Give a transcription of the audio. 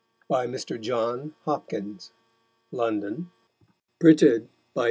By Mr. John Hopkins. London: Printed by Tho.